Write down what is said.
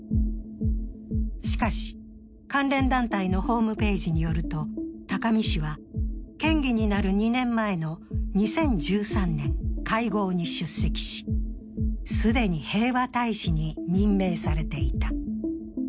しかし、関連団体のホームページによると、高見氏は県議になる２年前の２０１３年、会合に出席し、既に平和大使に任命されていた。